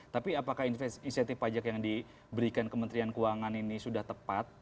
tapi apakah insentif pajak yang diberikan kementerian keuangan ini sudah tepat